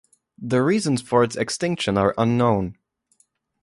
The reasons for its extinction are unknown.